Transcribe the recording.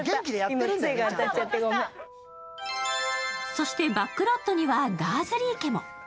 そして、バックロットにはダーズリー家も。